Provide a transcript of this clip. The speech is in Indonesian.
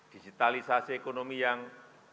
digitalisasi ekonomi yang berkembang